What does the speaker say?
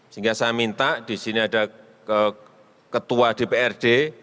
sehingga saya minta di sini ada ketua dprd